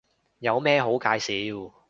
有咩好介紹